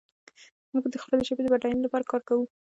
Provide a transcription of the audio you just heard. موږ د خپلې ژبې د بډاینې لپاره کار کوو.